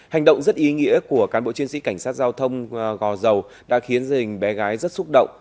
hành động rất ý nghĩa của cán bộ chiến sĩ cảnh sát giao thông gò dầu đã khiến dành bé gái rất xúc động